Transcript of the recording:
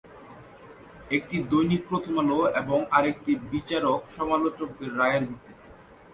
একটি "দৈনিক প্রথম আলো" এবং আরেকটি বিচারক/সমালোচকদের রায়ের ভিত্তিতে।